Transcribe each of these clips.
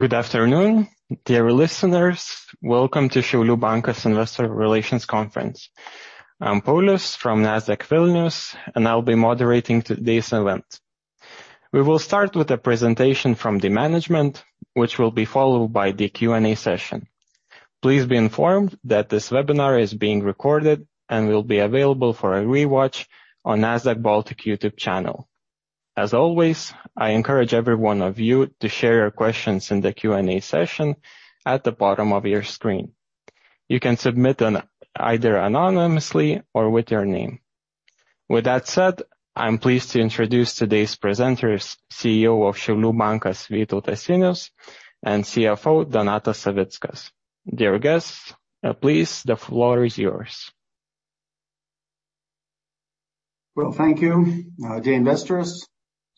Good afternoon, dear listeners. Welcome to Šiaulių Bankas Investor Relations Conference. I'm Paulius from Nasdaq Vilnius, and I'll be moderating today's event. We will start with a presentation from the management, which will be followed by the Q&A session. Please be informed that this webinar is being recorded and will be available for a rewatch on Nasdaq Baltic YouTube channel. As always, I encourage every one of you to share your questions in the Q&A session at the bottom of your screen. You can submit either anonymously or with your name. With that said, I'm pleased to introduce today's presenters, CEO Šiaulių Bankas, Vytautas Sinius, and CFO, Donatas Savickas. Dear guests, please, the floor is yours. Well, thank you. Dear investors,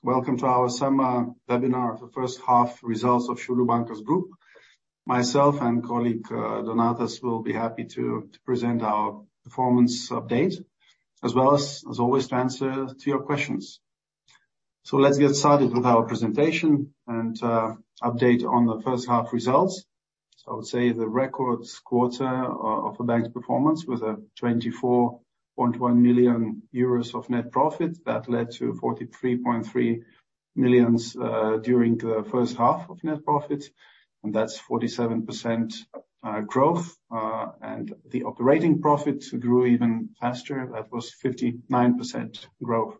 welcome to our summer webinar for first half results of Šiaulių Bankas Group. Myself and colleague, Donatas, will be happy to present our performance update, as well as, as always, to answer to your questions. Let's get started with our presentation and update on the first half results. I would say the records quarter of the bank's performance was 24.1 million euros of net profit. That led to 43.3 million during the first half of net profit, and that's 47% growth, and the operating profit grew even faster. That was 59% growth.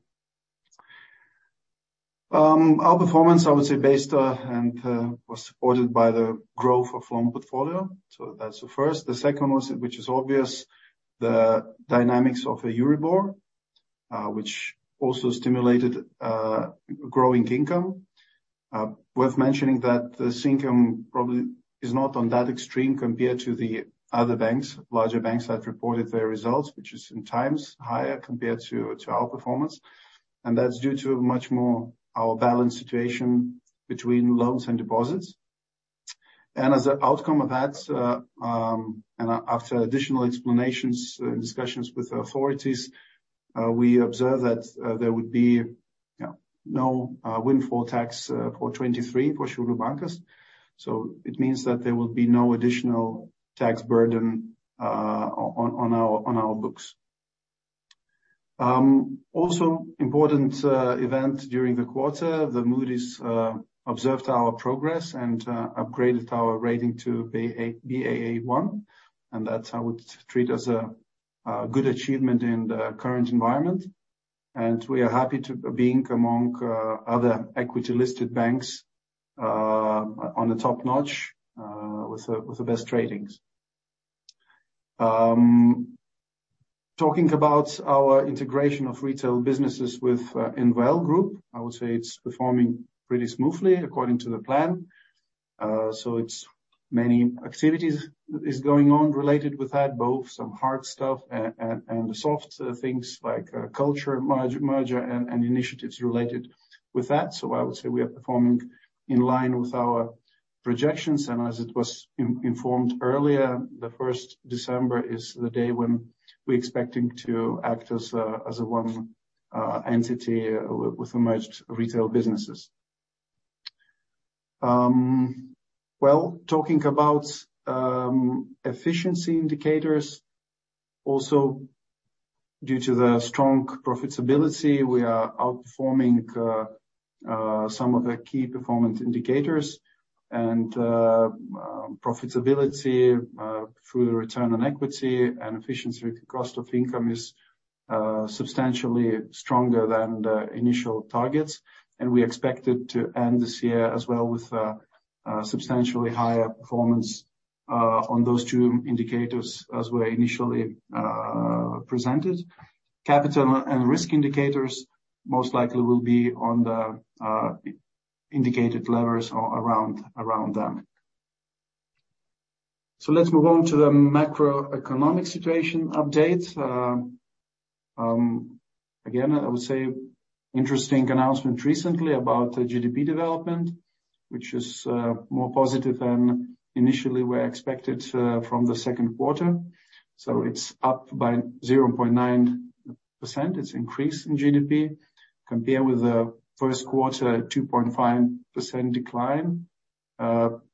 Our performance, I would say, based, and was supported by the growth of loan portfolio. That's the first. The second was, which is obvious, the dynamics of the Euribor, which also stimulated growing income. Worth mentioning that this income probably is not on that extreme compared to the other banks, larger banks that reported their results, which is sometimes higher compared to, to our performance, and that's due to much more our balance situation between loans and deposits. As an outcome of that, after additional explanations and discussions with the authorities, we observed that there would be no windfall tax for 2023 for Šiaulių Bankas. It means that there will be no additional tax burden on, on our, on our books. Also important event during the quarter, the Moody's observed our progress and upgraded our rating to Baa1, and that I would treat as a good achievement in the current environment. We are happy to being among other equity-listed banks on the top notch with the best ratings. Talking about our integration of retail businesses with Invalda INVL, I would say it's performing pretty smoothly according to the plan. It's many activities is going on related with that, both some hard stuff and and the soft things like culture merger and and initiatives related with that. I would say we are performing in line with our projections and as it was informed earlier, the 1st December is the day when we're expecting to act as a 1 entity with the merged retail businesses. Well, talking about efficiency indicators, also, due to the strong profitability, we are outperforming some of the key performance indicators and profitability through the Return on Equity and efficiency cost to income is substantially stronger than the initial targets. We expected to end this year as well with a substantially higher performance on those 2 indicators as were initially presented. Capital and risk indicators most likely will be on the indicated levels or around, around them. Let's move on to the macroeconomic situation update. Again, I would say interesting announcement recently about the GDP development, which is more positive than initially were expected from the second quarter. It's up by 0.9%. It's increase in GDP. Compared with the first quarter, 2.5% decline,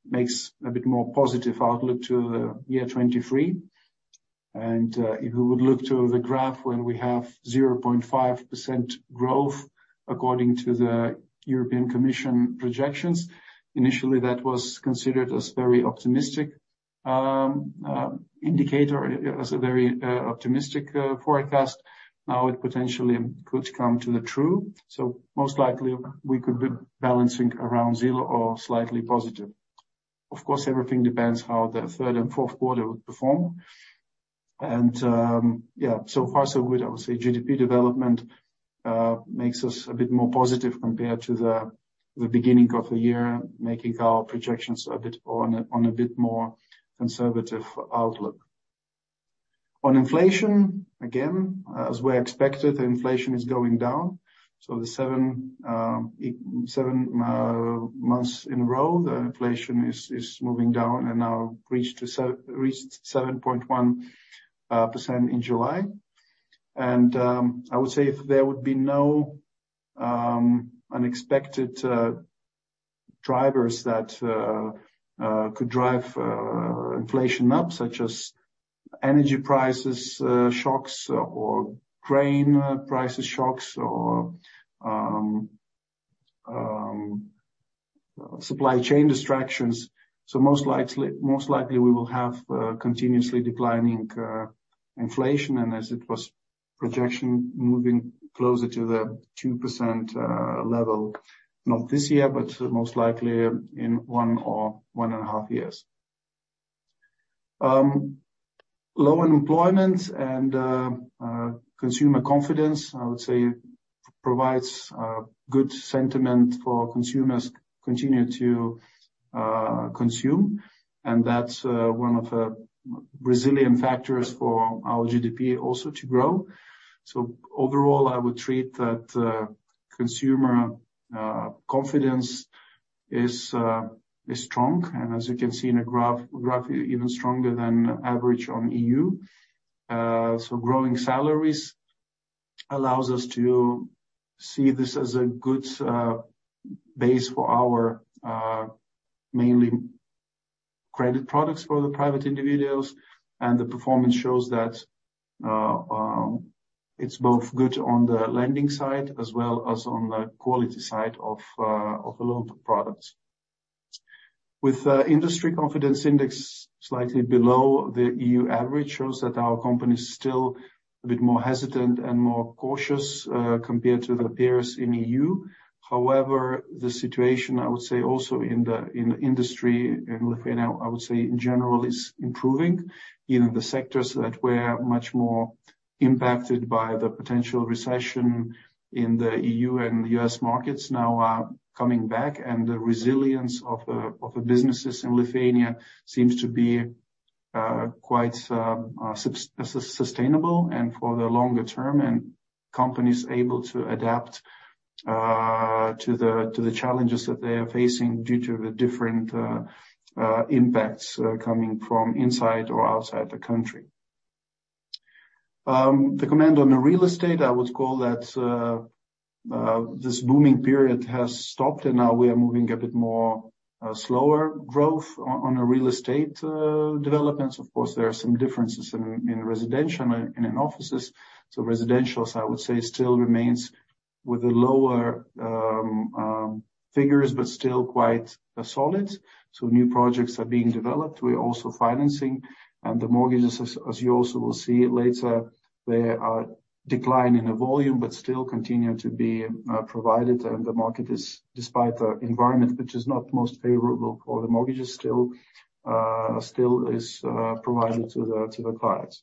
makes a bit more positive outlook to the year 2023. If you would look to the graph, when we have 0.5% growth, according to the European Commission projections, initially that was considered as very optimistic indicator, as a very optimistic forecast. Now, it potentially could come to the true, so most likely we could be balancing around 0 or slightly positive. Of course, everything depends how the third and fourth quarter would perform. Yeah, so far, so good. I would say GDP development makes us a bit more positive compared to the beginning of the year, making our projections a bit on a bit more conservative outlook. On inflation, again, as we expected, the inflation is going down. The 7 months in a row, the inflation is moving down and now reached 7.1% in July. I would say if there would be no unexpected drivers that could drive inflation up, such as energy prices shocks or grain prices shocks, or supply chain distractions. Most likely, we will have continuously declining inflation, and as it was projection, moving closer to the 2% level, not this year, but most likely in 1 or 1.5 years. Low unemployment and consumer confidence, I would say, provides good sentiment for consumers continue to consume, and that's one of the resilient factors for our GDP also to grow. Overall, I would treat that consumer confidence is strong, and as you can see in the graph, even stronger than average on EU. Growing salaries allows us to see this as a good base for our mainly credit products for the private individuals. The performance shows that it's both good on the lending side as well as on the quality side of the loan products. With industry confidence index slightly below the EU average, shows that our company is still a bit more hesitant and more cautious compared to the peers in EU. However, the situation, I would say also in the, in the industry, in Lithuania, I would say in general, is improving in the sectors that were much more impacted by the potential recession in the EU and US markets now are coming back, and the resilience of the businesses in Lithuania seems to be quite sustainable and for the longer term, and companies able to adapt to the challenges that they are facing due to the different impacts coming from inside or outside the country. The comment on the real estate, I would call that, this booming period has stopped, and now we are moving a bit more slower growth on, on a real estate developments. Of course, there are some differences in, in residential and in offices. Residential, I would say, still remains with the lower figures, but still quite solid. New projects are being developed. We're also financing and the mortgages, as, as you also will see later, they are declining in volume, but still continue to be provided and the market is despite the environment, which is not most favorable for the mortgages, still still is provided to the clients.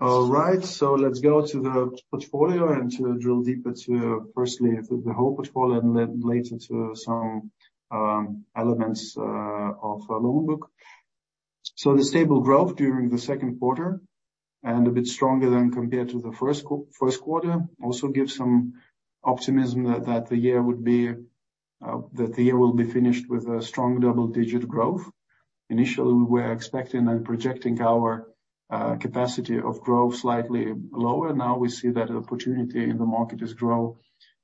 Let's go to the portfolio and to drill deeper to firstly, the whole portfolio and then later to some elements of our loan book. The stable growth during the second quarter and a bit stronger than compared to the first quarter, also gives some optimism that the year would be that the year will be finished with a strong double-digit growth. Initially, we were expecting and projecting our capacity of growth slightly lower. Now we see that opportunity in the market is growth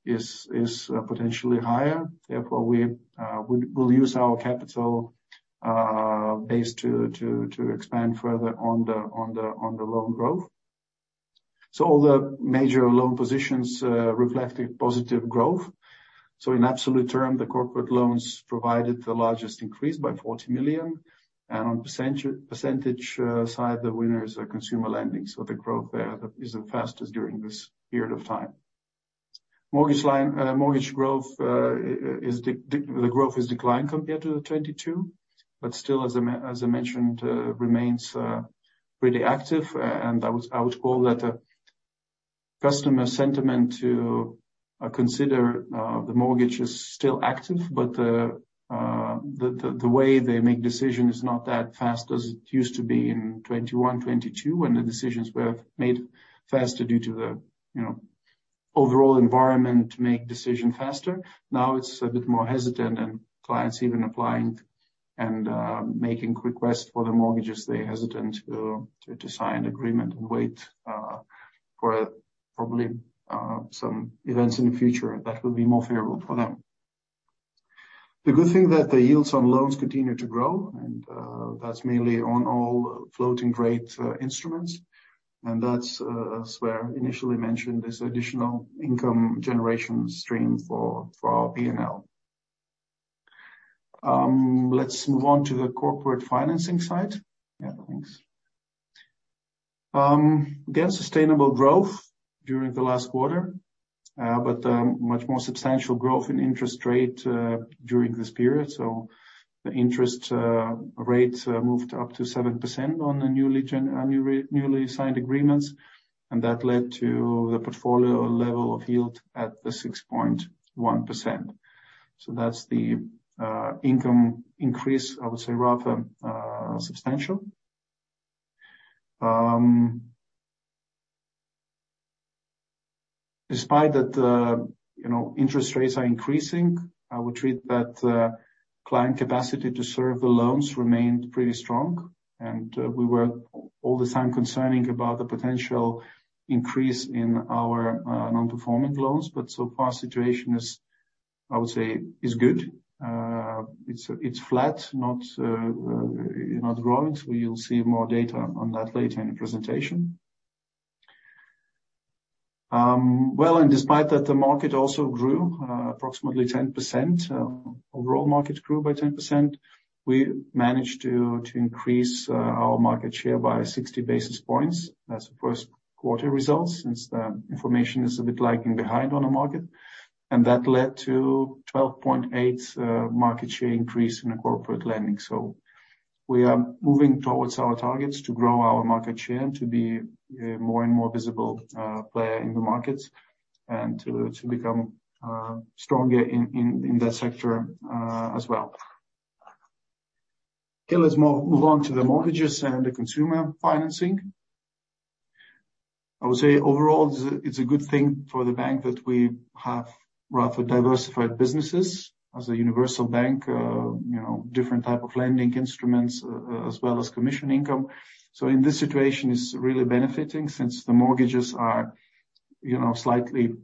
is, is potentially higher. Therefore, we we'll, we'll use our capital base to to to expand further on the on the on the loan growth. All the major loan positions reflected positive growth. In absolute term, the corporate loans provided the largest increase by 40 million, and on percent, percentage side, the winners are consumer lending. The growth there is the fastest during this period of time. Mortgage line, mortgage growth is the growth is declined compared to the 2022, but still, as I mentioned, remains pretty active. I would call that a customer sentiment to consider the mortgage is still active, but the, the, the way they make decision is not that fast as it used to be in 2021, 2022, when the decisions were made faster due to the, you know, overall environment to make decision faster. Now it's a bit more hesitant, clients even applying and making requests for the mortgages, they're hesitant to, to sign an agreement and wait for probably some events in the future that will be more favorable for them. The good thing that the yields on loans continue to grow, that's mainly on all floating rate instruments. That's as we initially mentioned, this additional income generation stream for, for our P&L. Let's move on to the corporate financing side. Yeah, thanks. Again, sustainable growth during the last quarter, much more substantial growth in interest rate during this period. The interest rates moved up to 7% on the newly signed agreements, and that led to the portfolio level of yield at the 6.1%. That's the income increase, I would say, rather substantial. Despite that, you know, interest rates are increasing, I would treat that client capacity to serve the loans remained pretty strong, and we were all the time concerning about the potential increase in our non-performing loans. So far, situation is, I would say, is good. It's, it's flat, not not growing. You'll see more data on that later in the presentation. Despite that, the market also grew approximately 10%. Overall market grew by 10%. We managed to increase our market share by 60 basis points. That's the first quarter results, since the information is a bit lagging behind on the market, that led to 12.8 market share increase in the corporate lending. We are moving towards our targets to grow our market share, to be a more and more visible player in the markets and to become stronger in that sector as well. Let's move on to the mortgages and the consumer financing. I would say overall, it's a good thing for the bank that we have rather diversified businesses. As a universal bank, you know, different type of lending instruments, as well as commission income. In this situation, it's really benefiting since the mortgages are, you know, slightly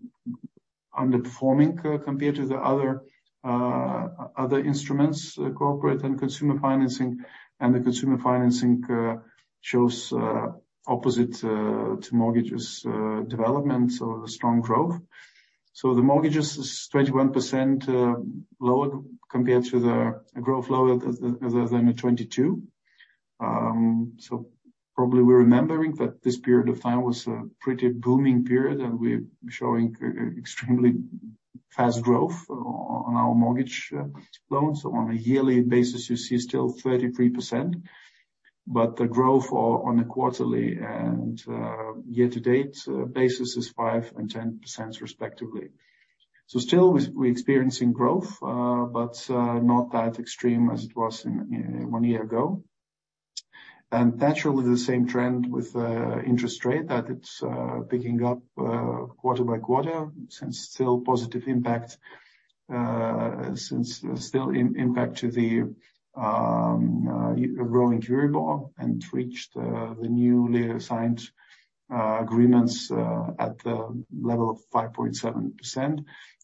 underperforming, compared to the other, other instruments, corporate and consumer financing. The consumer financing shows opposite to mortgages development, strong growth. The mortgages is 21% lower compared to the growth level other than the 22. Probably we're remembering that this period of time was a pretty booming period, and we're showing extremely fast growth on our mortgage loans. On a yearly basis, you see still 33%, but the growth on a quarterly and year to date basis is 5% and 10% respectively. Still, we're experiencing growth, but not that extreme as it was in one year ago. Naturally, the same trend with the interest rate, that it's picking up quarter by quarter, since still positive impact, since still impact to the growing variable and reached the newly signed agreements at the level of 5.7%,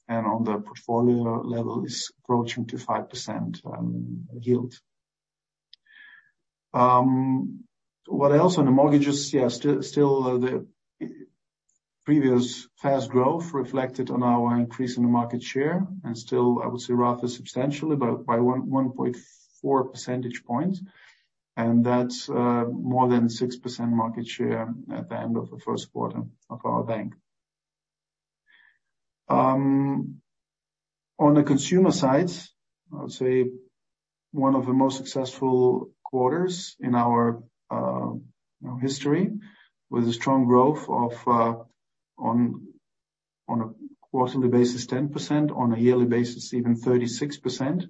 and on the portfolio level, is approaching to 5% yield. What else on the mortgages? Yeah, still, still, the previous fast growth reflected on our increase in the market share, and still, I would say, rather substantially, but by 1.4 percentage points, and that's more than 6% market share at the end of the first quarter of our bank. On the consumer side, I would say one of the most successful quarters in our history, with a strong growth on a quarterly basis, 10%, on a yearly basis, even 36%.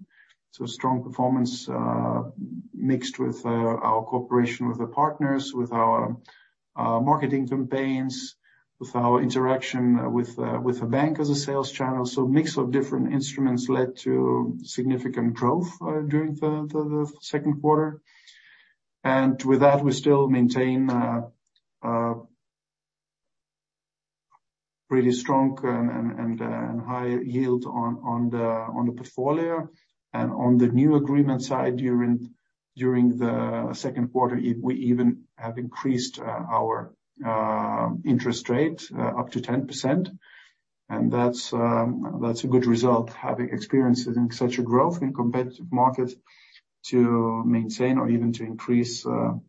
Strong performance mixed with our cooperation with the partners, with our marketing campaigns, with our interaction with the bank as a sales channel. Mix of different instruments led to significant growth during the second quarter. With that, we still maintain a pretty strong and high yield on the portfolio. On the new agreement side, during the second quarter, we even have increased our interest rate up to 10%. That's, that's a good result, having experienced it in such a growth in competitive markets, to maintain or even to increase, to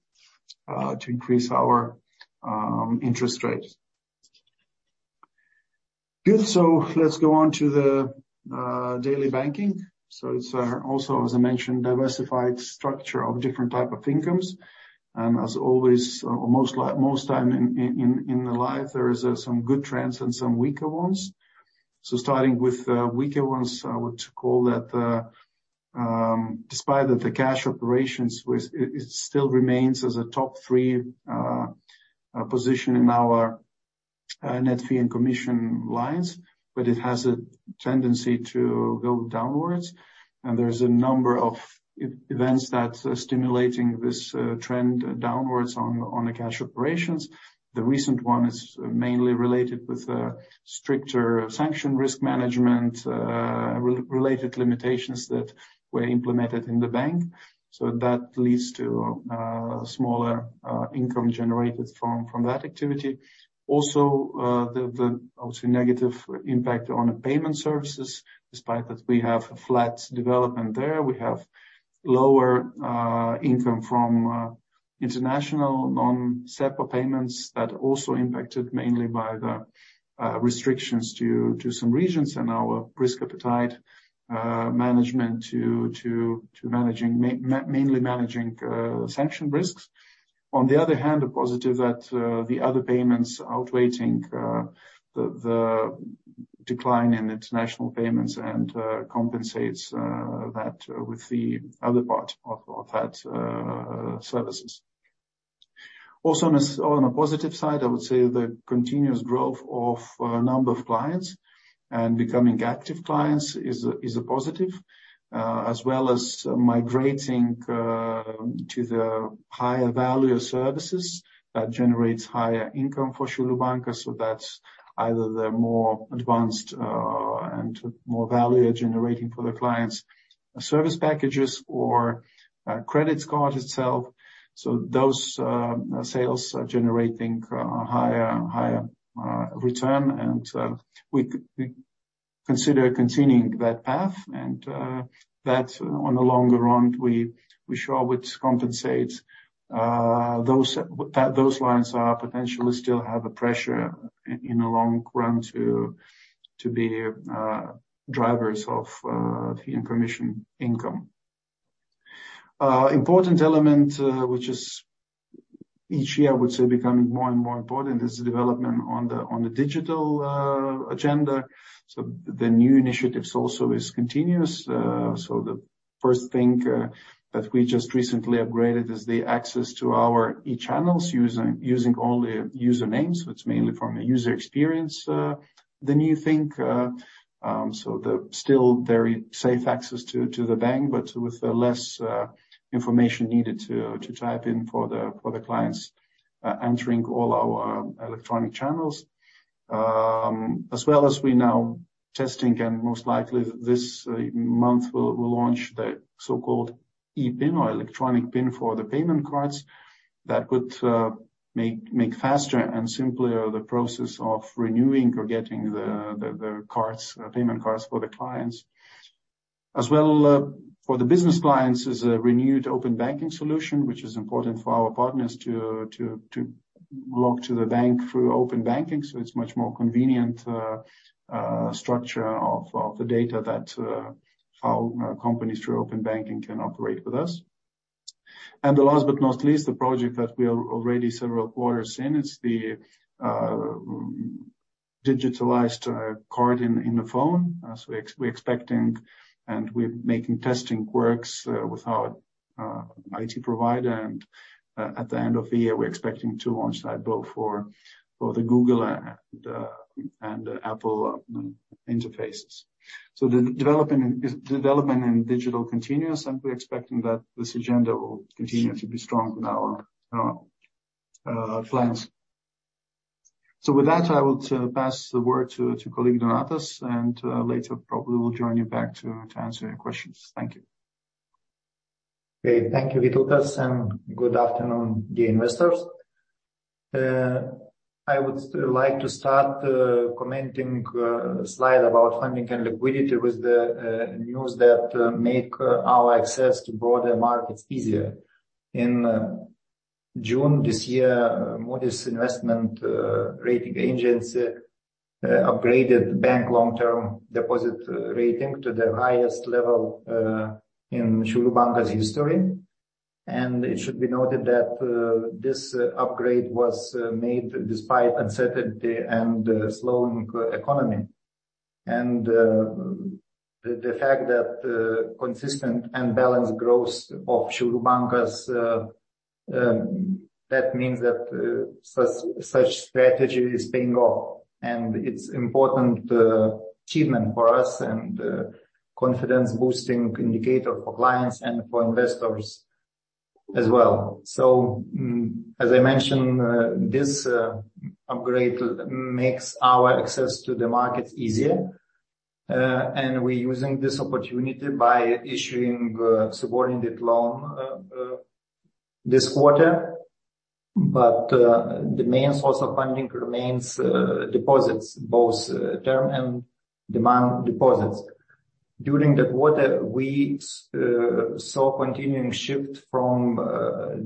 increase our interest rates. Good. Let's go on to the daily banking. It's also, as I mentioned, diversified structure of different type of incomes. As always, or most like, most time in, in, in, in the life, there is some good trends and some weaker ones. Starting with the weaker ones, I would call that, despite that the cash operations, which it still remains as a top three position in our net fee and commission lines, but it has a tendency to go downwards, and there's a number of e-events that are stimulating this trend downwards on the cash operations. The recent one is mainly related with the stricter sanction risk management, related limitations that were implemented in the bank. That leads to smaller income generated from, from that activity. The, the obviously negative impact on the payment services. Despite that we have a flat development there, we have lower income from international non-SEPA payments that also impacted mainly by the restrictions to some regions and our risk appetite management mainly managing sanction risks. On the other hand, a positive that the other payments outweighing the, the decline in international payments and compensates that with the other part of, of that services.... On a positive side, I would say the continuous growth of number of clients and becoming active clients is a positive, as well as migrating to the higher value services that generates higher income for Šiaulių Bankas. That's either the more advanced and more value generating for the clients, service packages or credit card itself. Those sales are generating higher, higher return, and we consider continuing that path, and that on the longer run, we, we sure would compensate those, that those lines are potentially still have a pressure in the long run to be drivers of fee and commission income. Important element, which is each year, I would say becoming more and more important, is the development on the, on the digital agenda. The new initiatives also is continuous. The first thing that we just recently upgraded is the access to our e-channels using, using only usernames, which mainly from a user experience, the new thing. The still very safe access to, to the bank, but with less information needed to, to type in for the clients, entering all our electronic channels. As well as we now testing and most likely this month, we'll, we'll launch the so-called ePIN or electronic PIN for the payment cards. That would make, make faster and simpler the process of renewing or getting the, the, the cards, payment cards for the clients. As well, for the business clients is a renewed Open Banking solution, which is important for our partners to, to, to log to the bank through Open Banking, so it's much more convenient structure of the data that how companies through Open Banking can operate with us. The last but not least, the project that we are already several quarters in, it's the digitalized card in the phone. As we we're expecting and we're making testing works with our IT provider, and at the end of the year, we're expecting to launch that both for for the Google and Apple interfaces. The development in digital continues, and we're expecting that this agenda will continue to be strong in our plans. With that, I will pass the word to, to colleague Donatas, and later probably will join you back to, to answer your questions. Thank you. Okay, thank you, Vytautas. Good afternoon, dear investors. I would like to start commenting slide about funding and liquidity with the news that make our access to broader markets easier. In June this year, Moody's Investors Service Rating Agency upgraded bank loan term deposit rating to the highest level in Šiaulių Bankas history. It should be noted that this upgrade was made despite uncertainty and slowing economy. The fact that consistent and balanced growth of Šiaulių Bankas that means that such, such strategy is paying off, and it's important achievement for us and confidence-boosting indicator for clients and for investors as well. As I mentioned, this upgrade makes our access to the markets easier, and we're using this opportunity by issuing subordinate loan this quarter. The main source of funding remains deposits, both term and demand deposits. During the quarter, we saw continuing shift from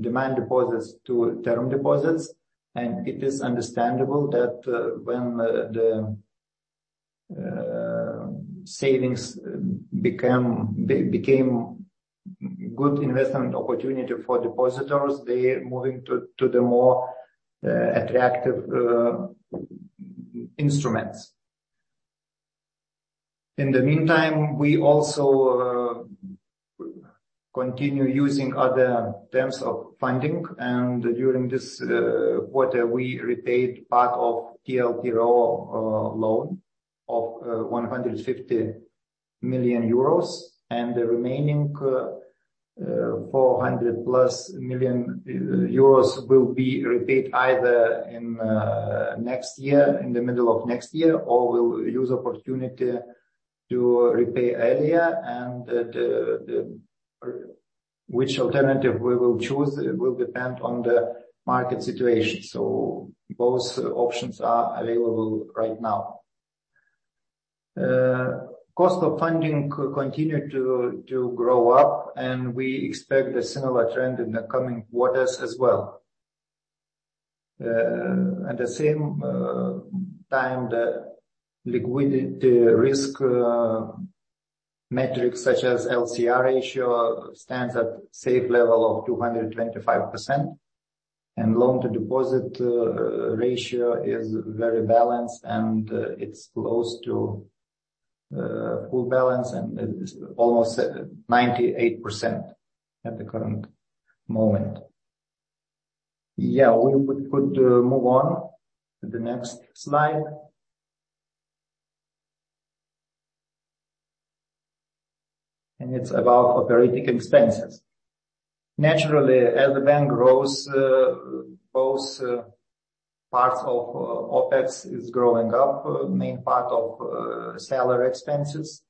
demand deposits to term deposits, and it is understandable that when the savings became good investment opportunity for depositors, they moving to the more attractive instruments. In the meantime, we also continue using other terms of funding, and during this quarter, we repaid part of TLTRO loan of 150 million euros, and the remaining 400+ million euros will be repaid either in next year, in the middle of next year, or we'll use opportunity to repay earlier. Which alternative we will choose will depend on the market situation. Both options are available right now. Cost of funding continued to grow up, and we expect a similar trend in the coming quarters as well. At the same time, the liquidity risk metrics such as LCR ratio stands at safe level of 225%, and loan to deposit ratio is very balanced and it's close to full balance and it's almost at 98% at the current moment. We could move on to the next slide. It's about operating expenses. Naturally, as the bank grows, both parts of OpEx is growing up. Main part of salary expenses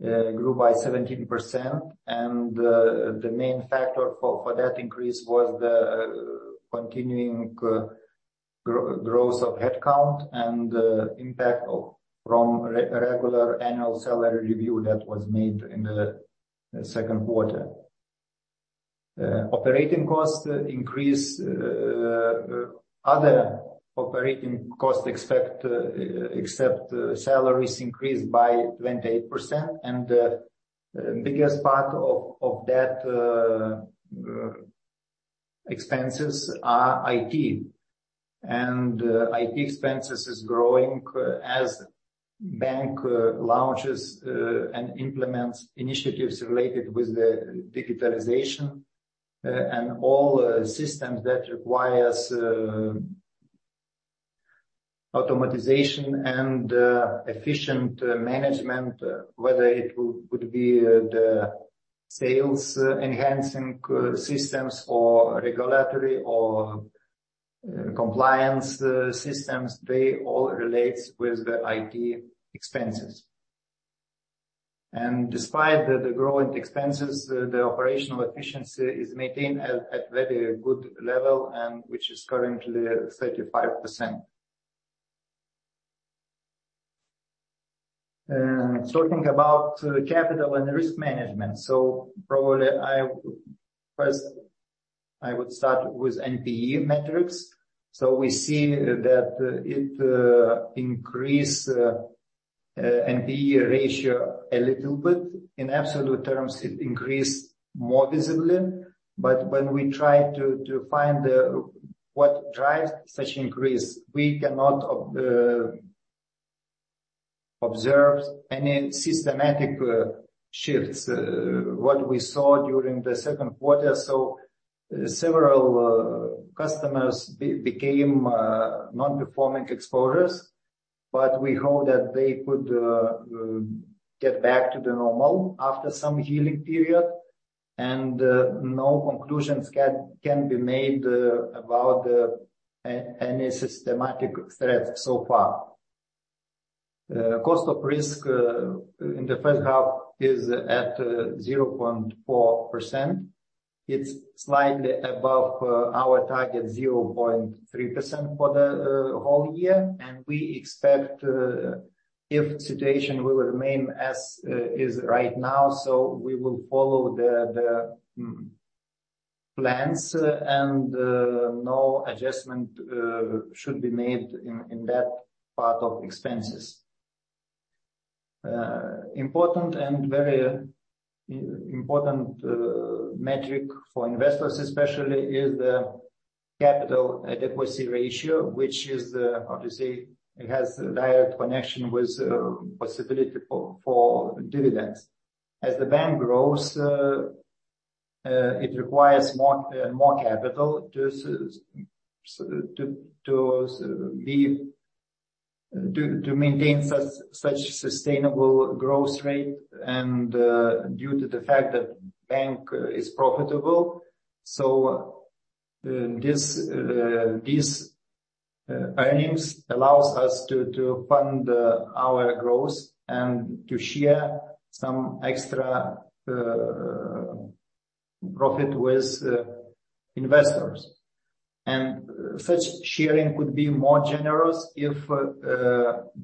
grew by 17%, and the main factor for that increase was the continuing growth of headcount and impact from regular annual salary review that was made in the second quarter. Operating costs increase, other operating costs expect, except salaries increased by 28%, the biggest part of that expenses are IT. IT expenses is growing as bank launches and implements initiatives related with the digitalization and all systems that requires automatization and efficient management, whether it would be the sales enhancing systems or regulatory or compliance systems, they all relates with the IT expenses. Despite the growing expenses, the operational efficiency is maintained at very good level, which is currently 35%. Talking about the capital and risk management, probably I first, I would start with NPE metrics. We see that it increase NPE ratio a little bit. In absolute terms, it increased more visibly, but when we try to find what drives such increase, we cannot observe any systematic shifts what we saw during the second quarter. Several customers became non-performing exposures, but we hope that they could get back to the normal after some healing period, and no conclusions can be made about any systematic threat so far. Cost of risk in the first half is at 0.4%. It's slightly above our target 0.3% for the whole year, and we expect if situation will remain as is right now, we will follow the plans, and no adjustment should be made in that part of expenses. Important and very important metric for investors especially is the capital adequacy ratio, which is, how to say, it has a direct connection with possibility for dividends. As the bank grows, it requires more, more capital to maintain such sustainable growth rate and due to the fact that bank is profitable. This, these earnings allows us to fund our growth and to share some extra profit with investors. Such sharing would be more generous if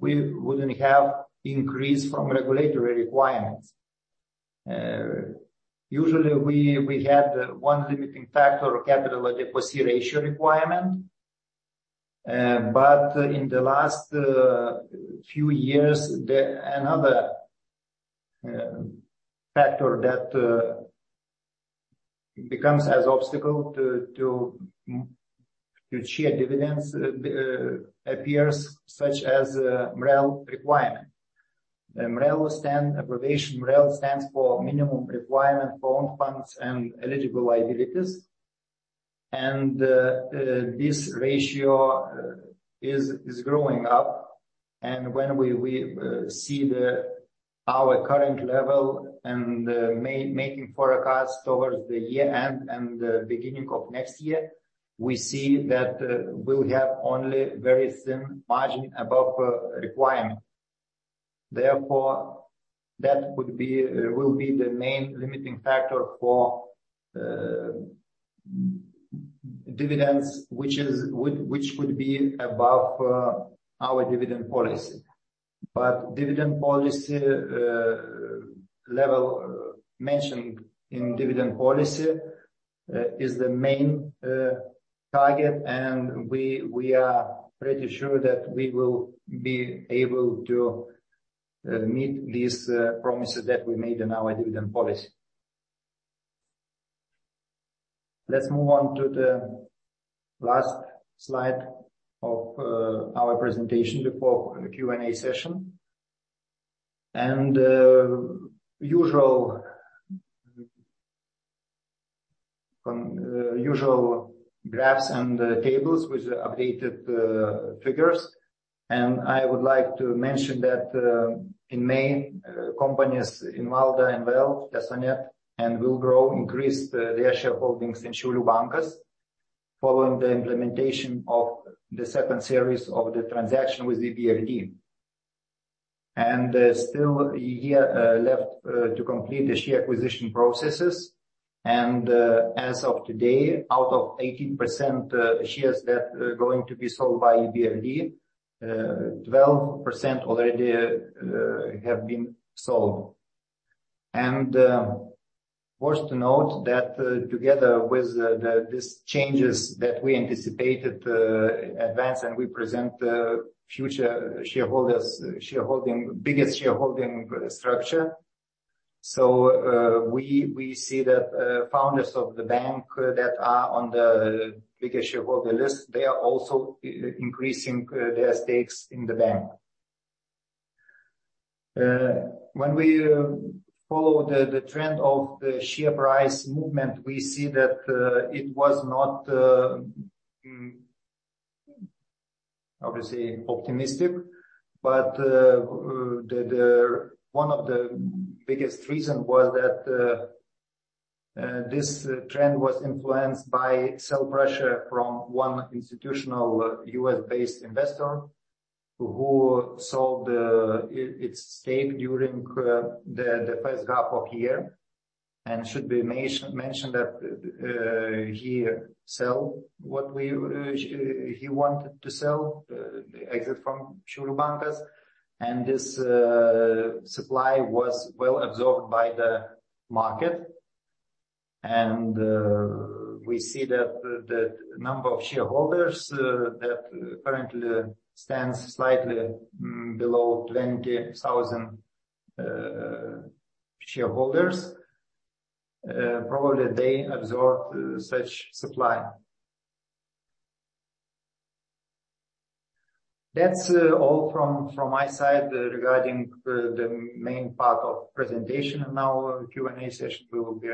we wouldn't have increase from regulatory requirements. Usually we, we had one limiting factor, capital adequacy ratio requirement, but in the last few years, the another factor that becomes as obstacle to share dividends appears such as MREL requirement. The MREL stand, abbreviation MREL stands for Minimum Requirement for Own Funds and Eligible Liabilities. This ratio is growing up, and when we, we see the, our current level and making forecast towards the year end and the beginning of next year, we see that we'll have only very slim margin above requirement. Therefore, that would be, will be the main limiting factor for dividends, which, which would be above our dividend policy. Dividend policy level mentioned in dividend policy is the main target, and we, we are pretty sure that we will be able to meet these promises that we made in our dividend policy. Let's move on to the last slide of our presentation before the Q&A session. Usual, usual graphs and tables with the updated figures. I would like to mention that in May, companies Invalda INVL, Tesonet, and Willgrow, increase their shareholdings in Šiaulių Bankas, following the implementation of the second series of the transaction with the EBRD. Still 1 year left to complete the share acquisition processes. As of today, out of 18% shares that are going to be sold by EBRD, 12% already have been sold. Worth to note that together with the, the, these changes that we anticipated in advance and we present future shareholders, shareholding, biggest shareholding structure. We, we see that founders of the bank that are on the biggest shareholder list, they are also increasing their stakes in the bank. When we follow the trend of the share price movement, we see that it was not, hmm, obviously optimistic, but the, the... One of the biggest reason was that this trend was influenced by sell pressure from one institutional US-based investor, who sold its stake during the first half of year. Should be mentioned that he sell what we he wanted to sell, exit from Šiaulių Bankas, and this supply was well absorbed by the market. We see that the, the number of shareholders that currently stands slightly, hmm, below 20,000 shareholders, probably they absorbed such supply. That's all from, from my side regarding the main part of presentation. Now, Q&A session, we will be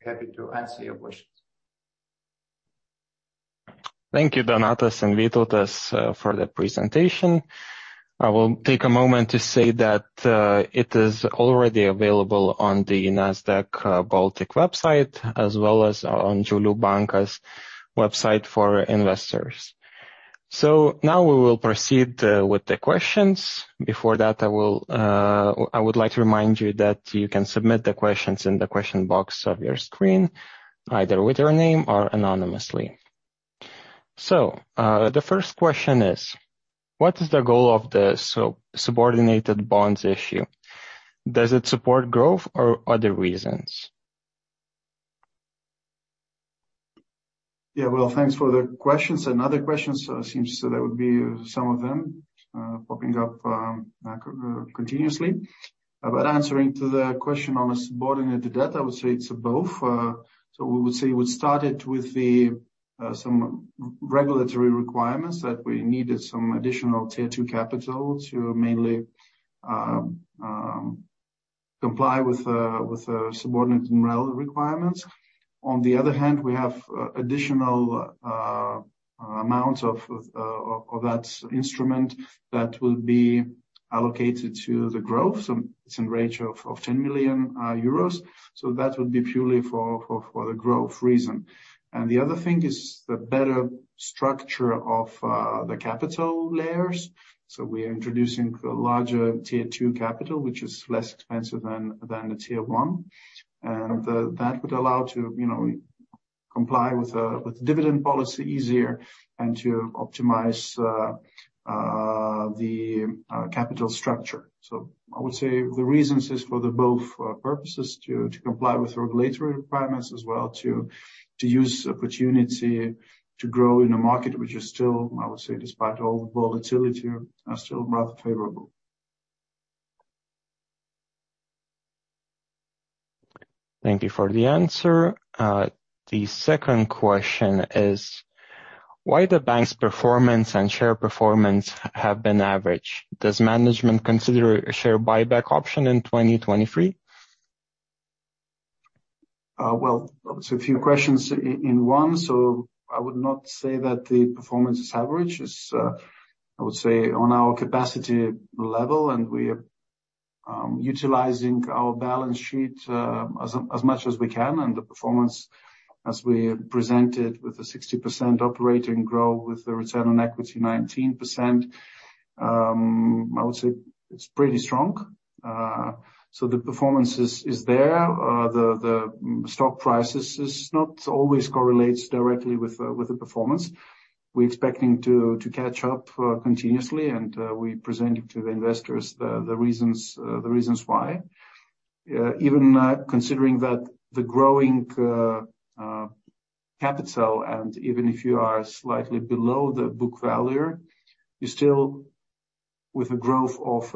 happy to answer your questions. Thank you, Donatas and Vytautas, for the presentation. I will take a moment to say that it is already available on the Nasdaq Baltic website, as well as on Šiaulių Bankas website for investors. Now we will proceed with the questions. Before that, I would like to remind you that you can submit the questions in the question box of your screen, either with your name or anonymously. The first question is: What is the goal of the subordinated bonds issue? Does it support growth or other reasons? Yeah, well, thanks for the questions. Other questions, seems that would be some of them popping up continuously. Answering to the question on the subordinated debt, I would say it's both. We would say we started with the some regulatory requirements, that we needed some additional Tier 2 capital to mainly comply with the subordinated and MREL requirements. On the other hand, we have additional amounts of that instrument that will be allocated to the growth, some it's in range of 10 million euros. That would be purely for the growth reason. The other thing is the better structure of the capital layers. We are introducing a larger Tier 2 capital, which is less expensive than the Tier 1. That would allow to, you know, comply with with the dividend policy easier and to optimize the capital structure. I would say the reasons is for the both purposes to, to comply with regulatory requirements, as well to, to use opportunity to grow in a market which is still, I would say, despite all the volatility, are still rather favorable. Thank you for the answer. The second question is: Why the bank's performance and share performance have been average? Does management consider a share buyback option in 2023? Well, a few questions in one. I would not say that the performance is average. It's, I would say, on our capacity level, and we are utilizing our balance sheet as much as we can, and the performance, as we presented with the 60% operating growth, with the Return on Equity 19%, I would say it's pretty strong. The performance is there. The stock prices is not always correlates directly with the performance. We're expecting to catch up continuously, and we presented to the investors the reasons why. Even considering that the growing capital, and even if you are slightly below the book value, you still with the growth of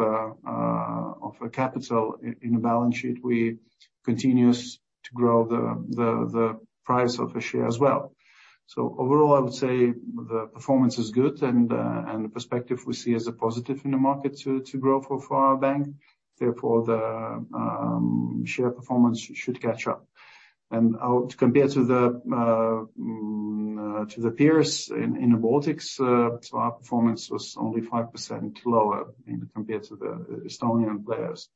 a capital in, in a balance sheet, we continues to grow the, the, the price of a share as well. Overall, I would say the performance is good, and and the perspective we see is a positive in the market to, to grow for, for our bank. Therefore, the share performance should catch up. Compared to the peers in the Baltics, our performance was only 5% lower in compared to the Estonian players.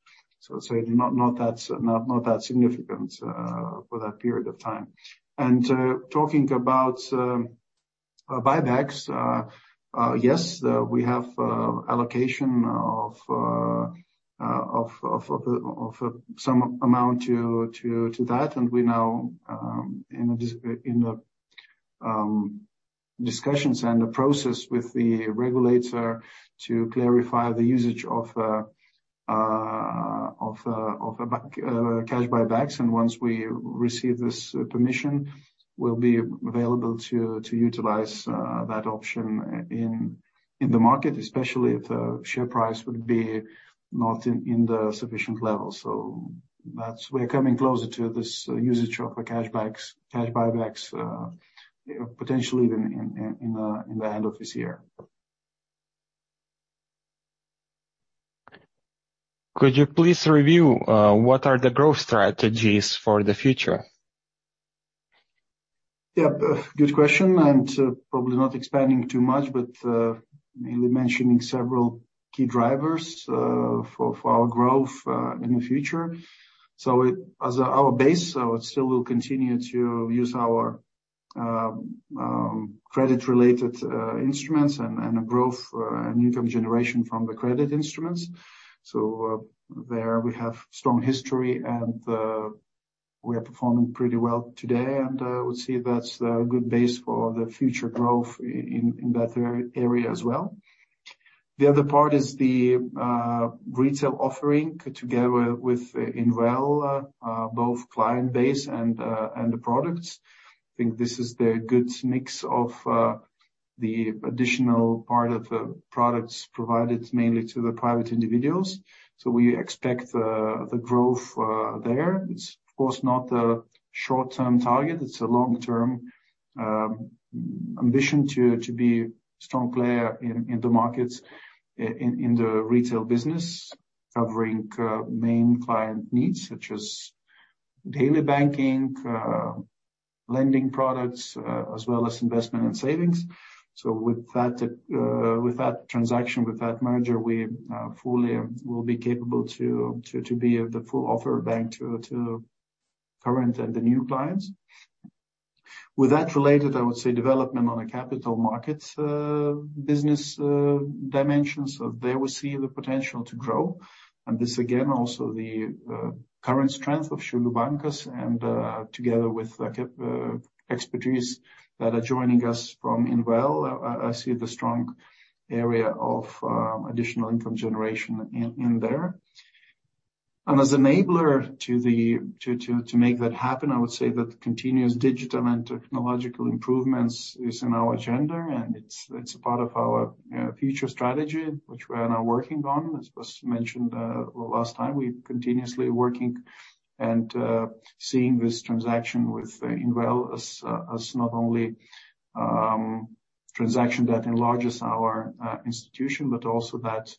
I'd say not, not that, not, not that significant for that period of time. And talking about buybacks, yes, we have allocation of some amount to, to, to that, and we now in a dis- in a discussions and a process with the regulator to clarify the usage uh of of a back cash buybacks. And once we receive this permission, we'll be available to, to utilize that option in the market, especially if the share price would be not in, in the sufficient level. So that's... We're coming closer to this usage of a cash backs, cash buybacks potentially even in, in in the end of this year. Could you please review what are the growth strategies for the future? Yeah, good question, probably not expanding too much, but mainly mentioning several key drivers for our growth in the future. It as our base, so it still will continue to use our credit-related instruments and a growth and income generation from the credit instruments. There we have strong history and we are performing pretty well today, and I would say that's a good base for the future growth in that area as well. The other part is the retail offering, together with Inval, both client base and the products. I think this is the good mix of the additional part of the products provided mainly to the private individuals, so we expect the growth there. It's of course not a short-term target. It's a long-term ambition to, to be a strong player in, in the markets, in, in the retail business, covering main client needs such as daily banking, lending products, as well as investment and savings. With that, with that transaction, with that merger, we fully will be capable to, to be the full offer bank to, to current and the new clients. With that related, I would say development on a capital market, business dimensions. There we see the potential to grow, and this again, also the current strength of Šiaulių Bankas and together with expertise that are joining us from Inval. I, I see the strong area of additional income generation in, in there. As enabler to the...to make that happen, I would say that continuous digital and technological improvements is in our agenda, and it's, it's a part of our future strategy, which we are now working on. As was mentioned, last time, we continuously working and seeing this transaction with Inval as not only transaction that enlarges our institution, but also that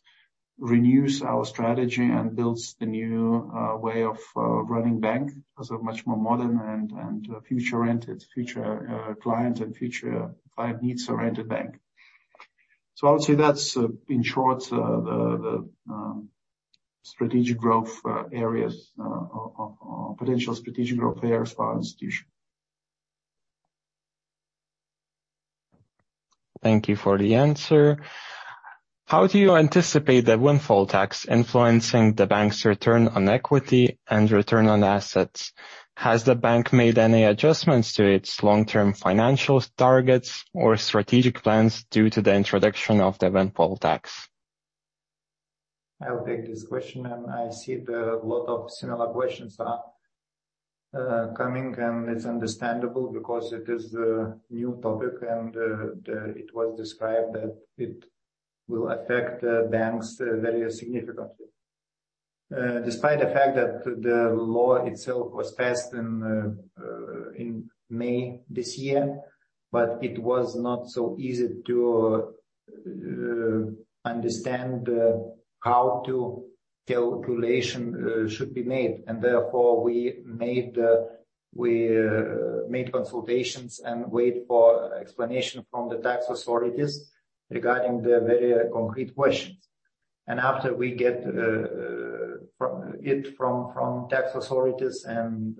renews our strategy and builds the new way of running bank as a much more modern and future-oriented, future client and future client needs-oriented bank. I would say that's in short the strategic growth areas or potential strategic growth areas for our institution. Thank you for the answer. How do you anticipate the windfall tax influencing the bank's Return on Equity and Return on Assets? Has the bank made any adjustments to its long-term financial targets or strategic plans due to the introduction of the windfall tax? I will take this question. I see that a lot of similar questions are coming, and it's understandable because it is a new topic and the... It was described that it will affect the banks very significantly. Despite the fact that the law itself was passed in May this year, it was not so easy to understand how to calculation should be made. Therefore, we made, we made consultations and wait for explanation from the tax authorities regarding the very concrete questions. After we get from it from tax authorities and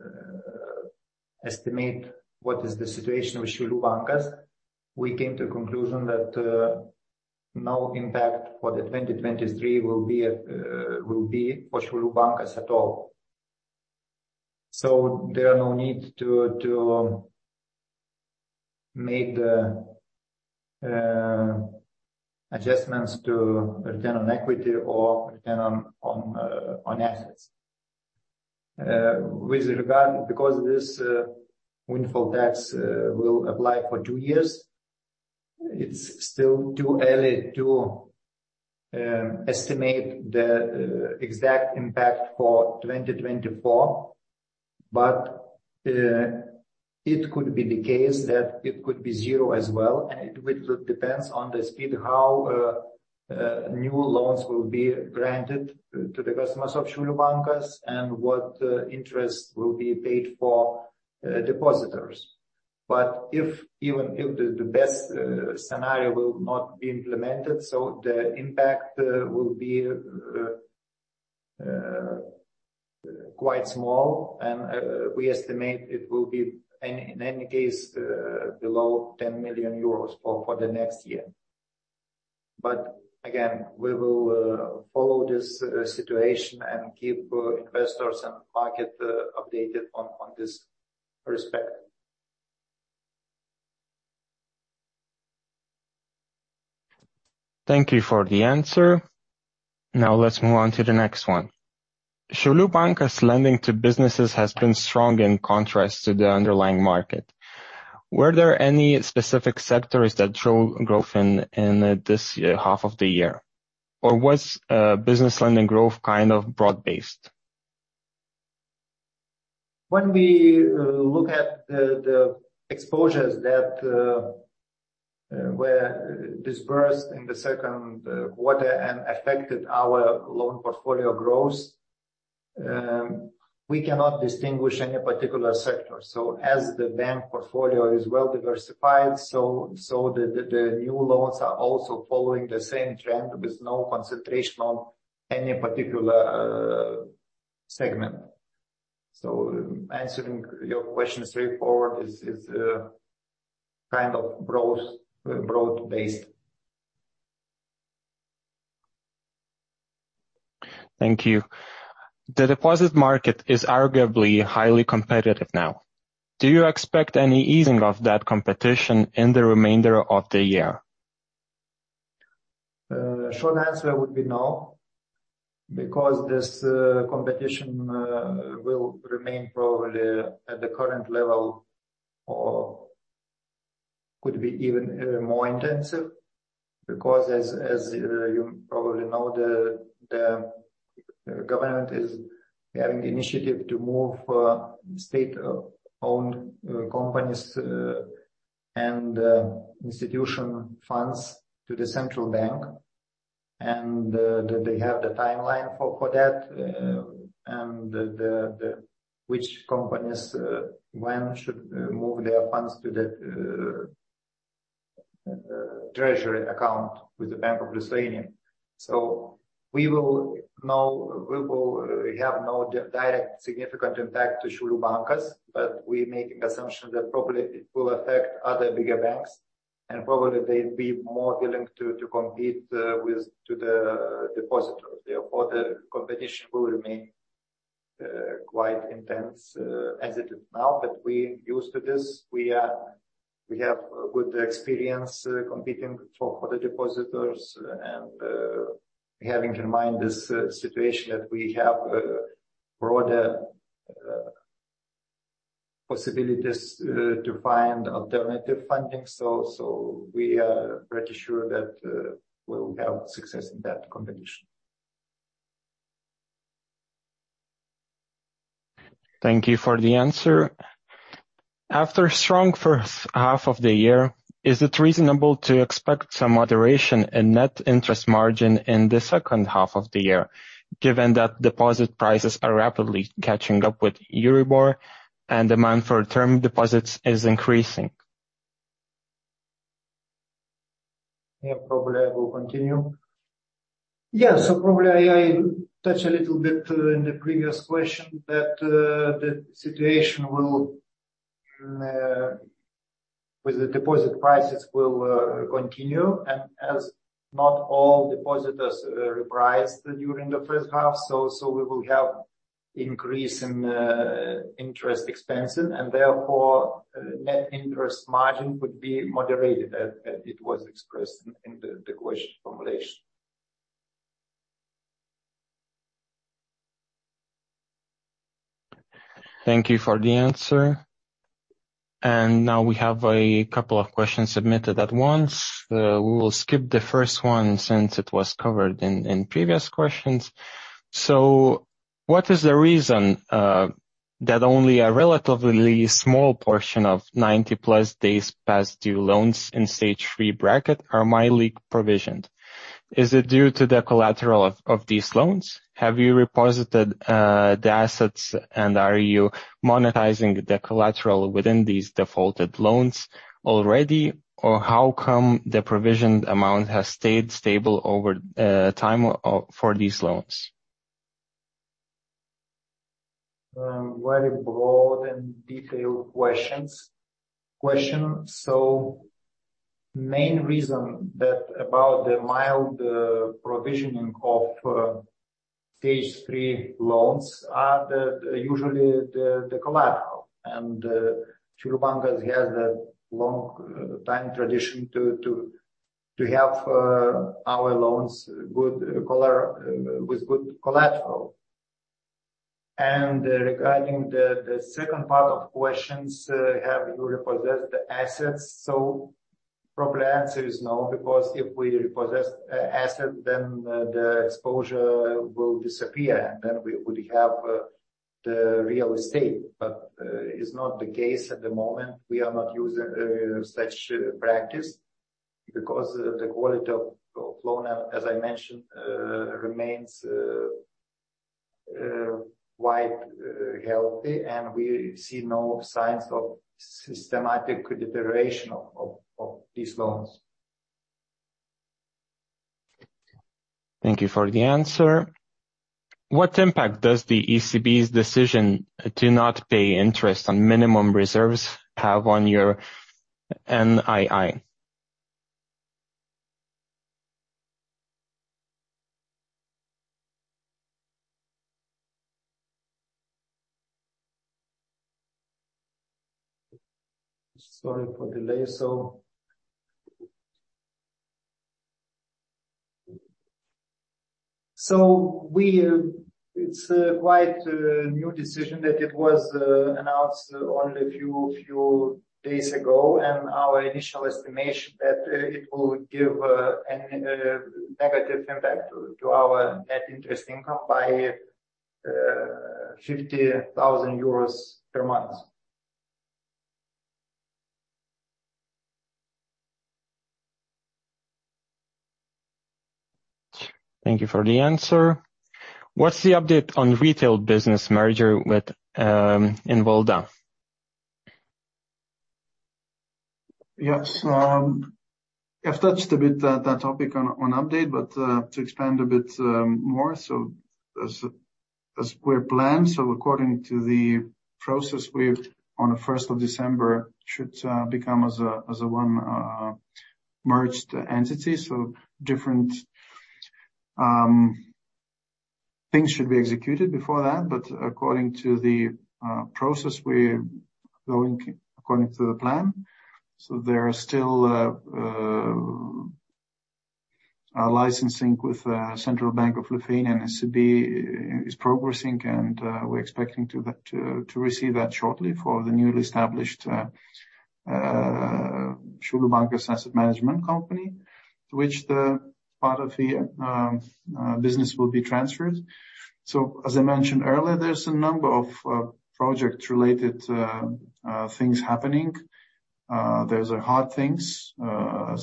estimate what is the situation with Šiaulių Bankas, we came to a conclusion that no impact for the 2023 will be, will be for Šiaulių Bankas at all. There are no need to, to make the adjustments to Return on Equity or return on, on assets. With regard, because this windfall tax will apply for 2 years, it's still too early to estimate the exact impact for 2024. It could be the case that it could be 0 as well, and it will depends on the speed, how new loans will be granted to the customers of Šiaulių Bankas and what interest will be paid for depositors. If, even if the best scenario will not be implemented, so the impact will be quite small, and we estimate it will be in any case below 10 million euros for the next year. Again, we will follow this situation and keep investors and market updated on this respect. Thank you for the answer. Let's move on to the next one. Šiaulių Bankas lending to businesses has been strong in contrast to the underlying market. Were there any specific sectors that show growth in, in this year, half of the year? Was business lending growth kind of broad-based? When we look at the exposures that were disbursed in the second quarter and affected our loan portfolio growth, we cannot distinguish any particular sector. As the bank portfolio is well diversified, so, so the, the, the new loans are also following the same trend with no concentration on any particular segment. Answering your question straightforward, is, is kind of broad, broad-based. Thank you. The deposit market is arguably highly competitive now. Do you expect any easing of that competition in the remainder of the year? Short answer would be no, because this competition will remain probably at the current level or could be even more intensive, because as, as you probably know, the, the government is having the initiative to move state-owned companies and institution funds to the central bank, and they have the timeline for, for that, and the, the, which companies when should move their funds to the treasury account with the Bank of Lithuania. We will have no direct significant impact to Šiaulių Bankas, but we're making assumption that probably it will affect other bigger banks, and probably they'd be more willing to, to compete with, to the depositors. Therefore, the competition will remain quite intense as it is now, but we used to this. We have a good experience competing for, for the depositors and having in mind this situation, that we have broader possibilities to find alternative funding. We are pretty sure that we will have success in that competition. Thank you for the answer. After strong first half of the year, is it reasonable to expect some moderation in net interest margin in the second half of the year, given that deposit prices are rapidly catching up with Euribor, and demand for term deposits is increasing? Yeah, probably I will continue. Yeah, so probably I touched a little bit in the previous question that the situation will with the deposit prices will continue. As not all depositors repriced during the first half, we will have increase in interest expenses. Therefore, net interest margin would be moderated as it was expressed in the question formulation. Thank you for the answer. Now we have 2 questions submitted at once. We will skip the 1st one since it was covered in previous questions. What is the reason that only a relatively small portion of 90-plus days past due loans in stage 3 bracket are mildly provisioned? Is it due to the collateral of these loans? Have you reposited the assets, and are you monetizing the collateral within these defaulted loans already, or how come the provisioned amount has stayed stable over time for these loans? Very broad and detailed questions. Main reason that about the mild provisioning of stage three loans are usually the collateral. Šiaulių Bankas has that long time tradition to have our loans with good collateral. Regarding the second part of questions, have you repossessed the assets? Probably answer is no, because if we repossess asset, then the exposure will disappear, and then we would have the real estate. It's not the case at the moment. We are not using such practice because the quality of loan, as I mentioned, remains quite healthy, and we see no signs of systematic deterioration of these loans. Thank you for the answer. What impact does the ECB's decision to not pay interest on minimum reserves have on your NII? Sorry for delay. We, it's a quite, new decision, that it was announced only a few days ago, and our initial estimation that it will give an, negative impact to our net interest income by 50,000 euros per month. Thank you for the answer. What's the update on retail business merger with Invalda? Yes, I've touched a bit that, that topic on, on update, but to expand a bit more, as, as we're planned, according to the process, we on the 1st of December, should become as a, as a 1 merged entity. Different things should be executed before that. But according to the process, we're going according to the plan. There are still licensing with Bank of Lithuania, and SB is progressing and we're expecting to that, to, to receive that shortly for the newly established Šiaulių Bankas Asset Management Company, to which the part of the business will be transferred. As I mentioned earlier, there's a number of project-related things happening. There's hard things, as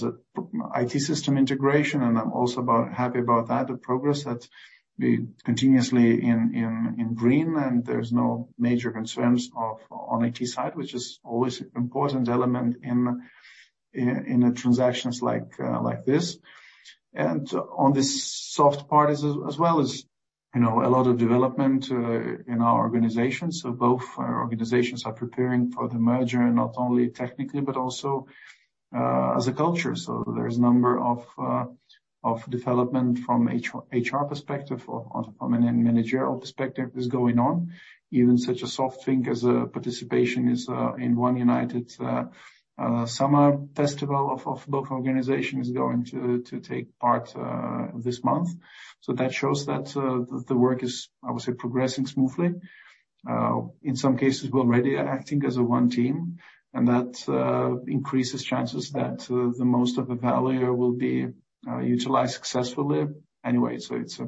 IT system integration, and I'm also about happy about that, the progress that we continuously in, in, in green and there's no major concerns of on IT side, which is always important element in, in, in a transactions like, like this. On this soft part as, as well as, you know, a lot of development in our organization. Both organizations are preparing for the merger, not only technically but also, as a culture. There's a number of development from HR, HR perspective or from a managerial perspective is going on. Even such a soft thing as a participation is in one united summer festival of, of both organizations is going to, to take part this month. That shows that the work is, I would say, progressing smoothly. In some cases, we're already acting as a one team, and that increases chances that the most of the value will be utilized successfully anyway. It's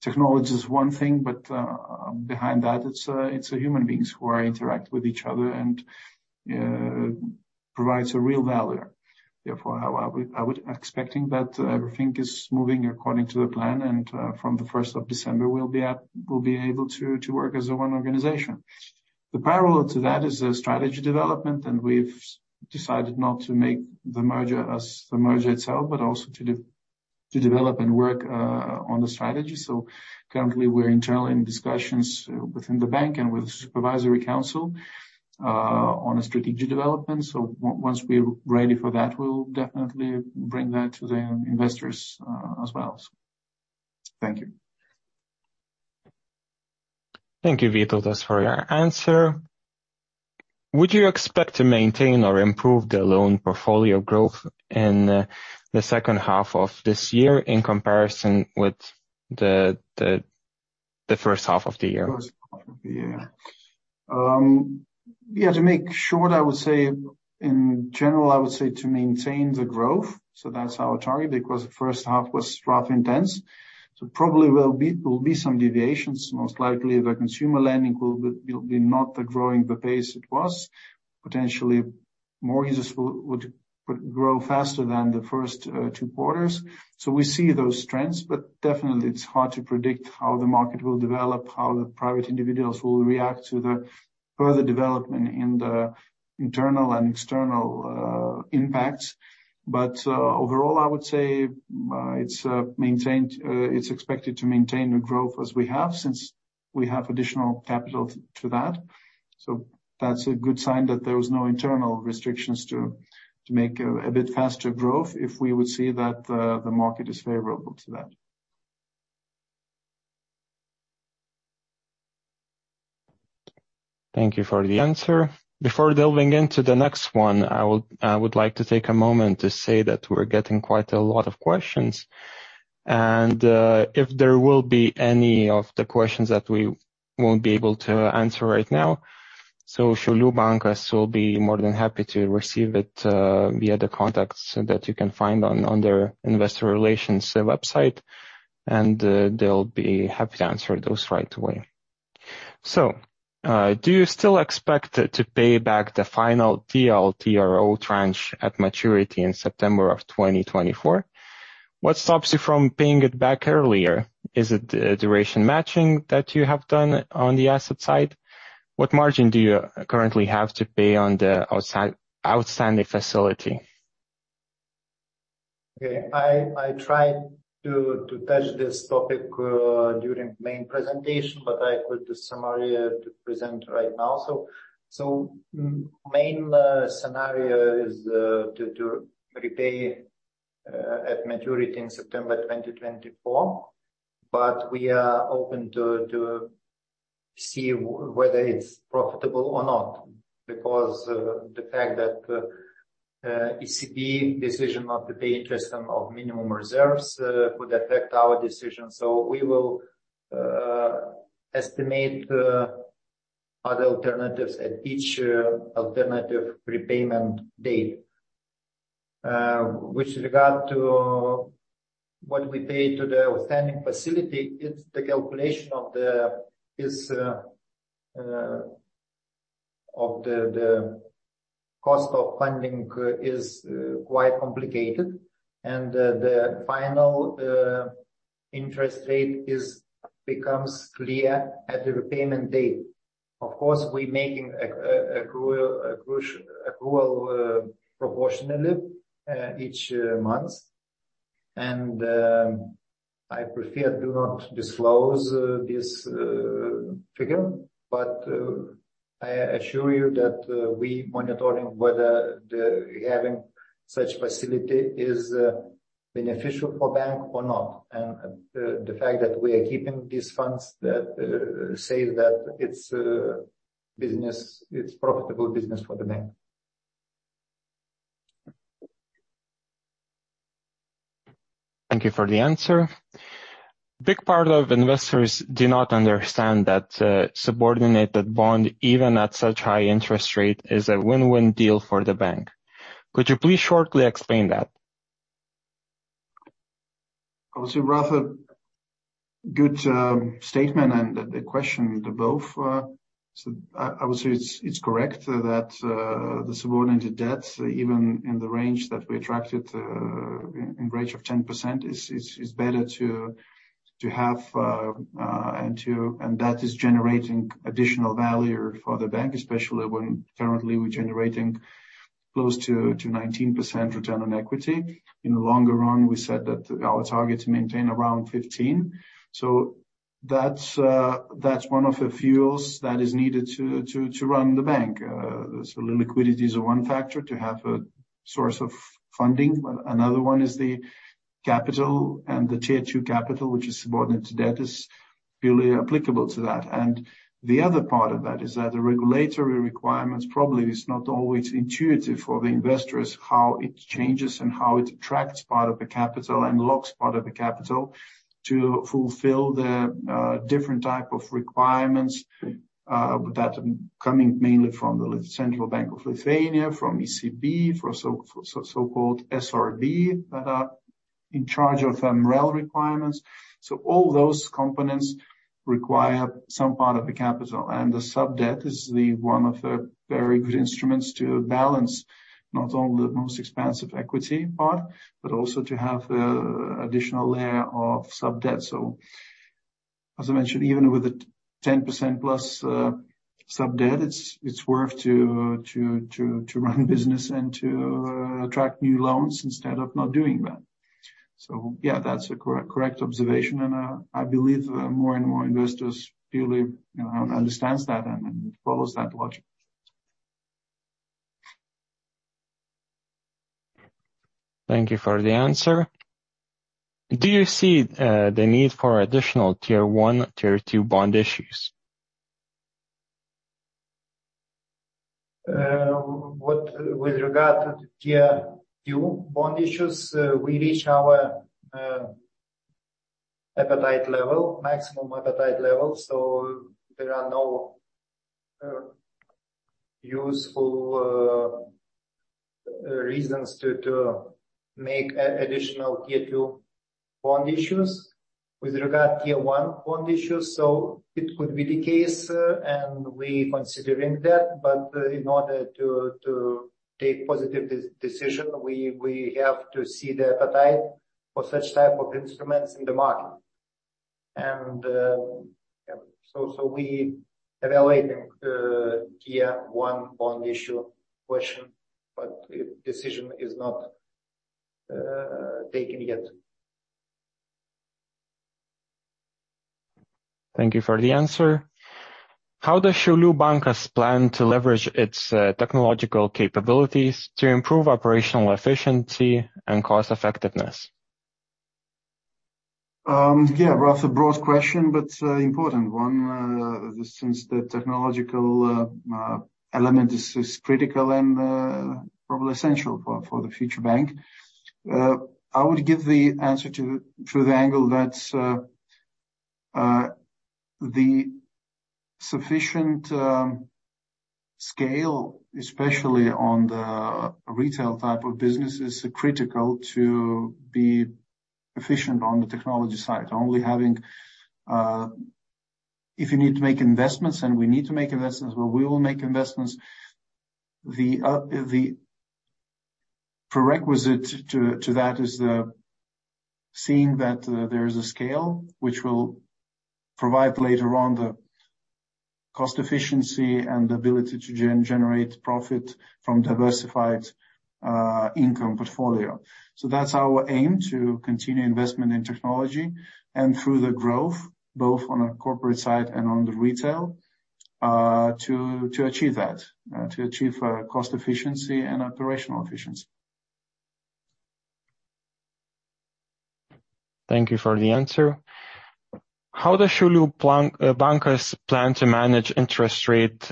technology is one thing, but behind that, it's human beings who are interacting with each other and provides a real value. Therefore, I would, I would expecting that everything is moving according to the plan, and from the first of December, we'll be able to work as a one organization. The parallel to that is the strategy development, and we've decided not to make the merger as the merger itself, but also to develop and work on the strategy. Currently, we're internally in discussions within the bank and with supervisory council on a strategic development. Once we're ready for that, we'll definitely bring that to the investors, as well. Thank you. Thank you, Vytautas, for your answer. Would you expect to maintain or improve the loan portfolio growth in the second half of this year in comparison with the first half of the year? First half of the year. Yeah, to make short, I would say in general, I would say to maintain the growth, that's our target, because the first half was rather intense. Probably will be, will be some deviations. Most likely, the consumer lending will be, will be not the growing the pace it was. Potentially, mortgages would grow faster than the first, two quarters. We see those trends, but definitely it's hard to predict how the market will develop, how the private individuals will react to the further development in the internal and external, impacts. Overall, I would say, it's, maintained, it's expected to maintain the growth as we have, since we have additional capital to that. That's a good sign that there was no internal restrictions to, to make a, a bit faster growth, if we would see that the, the market is favorable to that. Thank you for the answer. Before delving into the next one, I will, I would like to take a moment to say that we're getting quite a lot of questions, and, if there will be any of the questions that we won't be able to answer right now, Šiaulių Bankas will be more than happy to receive it via the contacts that you can find on, on their investor relations website, and, they'll be happy to answer those right away. Do you still expect to pay back the final TLTRO tranche at maturity in September of 2024? What stops you from paying it back earlier? Is it the duration matching that you have done on the asset side? What margin do you currently have to pay on the outside- outstanding facility? Okay. I tried to touch this topic during main presentation, but I put the summary to present right now. So, main scenario is to repay at maturity in September 2024, but we are open to see whether it's profitable or not, because the fact that ECB decision not to pay interest on of minimum reserves could affect our decision. We will estimate other alternatives at each alternative repayment date. With regard to what we pay to the outstanding facility, it's the calculation of the... of the cost of funding is quite complicated, and the final interest rate becomes clear at the repayment date. Of course, we're making a accrual, accrual, accrual proportionally each month. I prefer to not disclose this figure, but I assure you that we monitoring whether the having such facility is beneficial for bank or not. The fact that we are keeping these funds, that say that it's business, it's profitable business for the bank. Thank you for the answer. Big part of investors do not understand that, subordinated bond, even at such high interest rate, is a win-win deal for the bank. Could you please shortly explain that? I would say, rather good, statement and the question, the both, so I, I would say it's, it's correct that the subordinated debts, even in the range that we attracted, in range of 10%, is, is, is better to, to have. That is generating additional value for the bank, especially when currently we're generating close to, to 19% Return on Equity. In the longer run, we said that our target to maintain around 15%. That's one of the fuels that is needed to, to, to run the bank. The liquidity is one factor to have a source of funding, but another one is the capital, and the Tier 2 capital, which is subordinate to debt, is purely applicable to that. The other part of that is that the regulatory requirements probably is not always intuitive for the investors, how it changes and how it attracts part of the capital and locks part of the capital to fulfill the different type of requirements that are coming mainly from the Bank of Lithuania, from ECB, from so-called SRB, that are in charge of MREL requirements. All those components require some part of the capital, and the sub-debt is the one of the very good instruments to balance not only the most expensive equity part, but also to have additional layer of sub-debt. As I mentioned, even with the 10% plus sub-debt, it's worth to run business and to attract new loans instead of not doing that. Yeah, that's a correct observation, and I believe, more and more investors purely, you know, understands that and follows that logic. Thank you for the answer. Do you see the need for additional Tier 1, Tier 2 bond issues? With regard to the Tier 2 bond issues, we reach our appetite level, maximum appetite level. There are no useful reasons to make additional Tier 2 bond issues. With regard Tier 1 bond issues, it could be the case, and we considering that. In order to take positive decision, we have to see the appetite for such type of instruments in the market. We evaluating Tier 1 bond issue question. The decision is not taken yet. Thank you for the answer. How Šiaulių Bankas plan to leverage its technological capabilities to improve operational efficiency and cost effectiveness? Yeah, rather broad question, but important one, since the technological element is critical and probably essential for the future bank. I would give the answer to, through the angle that the sufficient scale, especially on the retail type of business, is critical to be efficient on the technology side. If you need to make investments, and we need to make investments, well, we will make investments. The prerequisite to that is the seeing that there is a scale which will provide later on the cost efficiency and the ability to generate profit from diversified income portfolio. That's our aim, to continue investment in technology and through the growth, both on a corporate side and on the retail, to achieve that, to achieve cost efficiency and operational efficiency. Thank you for the answer. How Šiaulių Bankas plan to manage interest rate,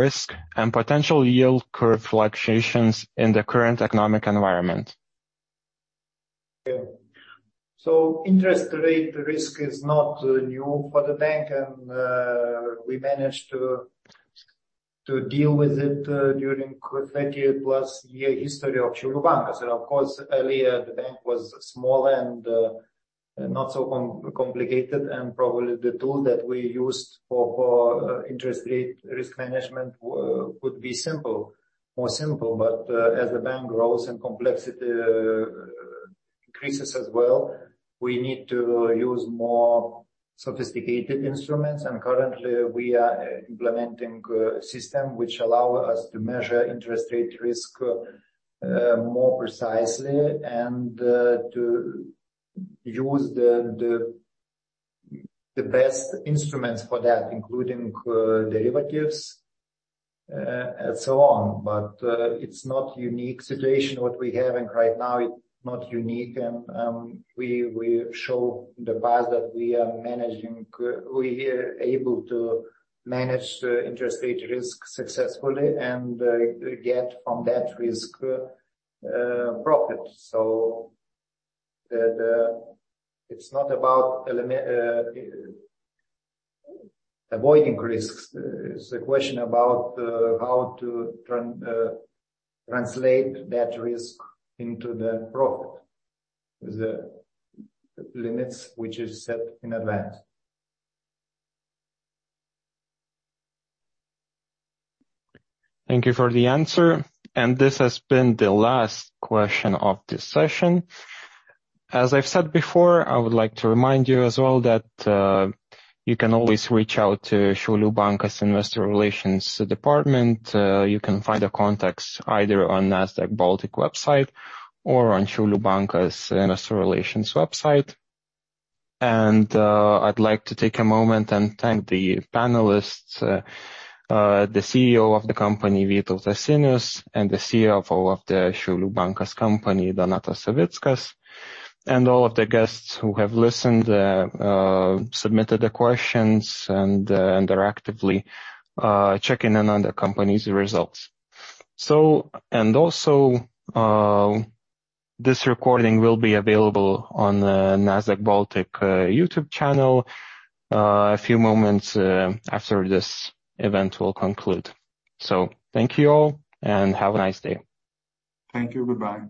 risk, and potential yield curve fluctuations in the current economic environment? Yeah. Interest rate risk is not new for the bank, and we managed to deal with it during 30-plus year history of Šiaulių Bankas. Of course, earlier the bank was smaller and not so complicated, and probably the tool that we used for interest rate risk management would be simple, more simple. As the bank grows and complexity increases as well, we need to use more sophisticated instruments, and currently, we are implementing system which allow us to measure interest rate risk more precisely. And to use the, the, the best instruments for that, including derivatives, and so on. It's not unique situation what we're having right now. It's not unique, and we, we show the path that we are managing... We are able to manage interest rate risk successfully and get from that risk profit. It's not about avoiding risks. It's a question about how to translate that risk into the profit with the limits which is set in advance. Thank you for the answer. This has been the last question of this session. As I've said before, I would like to remind you as well that you can always reach out to Šiaulių Bankas Investor Relations Department. You can find the contacts either on Nasdaq Baltic website or on Šiaulių Bankas Investor Relations website. I'd like to take a moment and thank the panelists, the CEO of the company, Vytautas Sinius, and the CFO of the Šiaulių Bankas company, Donatas Savickas, and all of the guests who have listened, submitted the questions, and are actively checking in on the company's results. Also, this recording will be available on the Nasdaq Baltic YouTube channel a few moments after this event will conclude. Thank you all, and have a nice day. Thank you. Goodbye.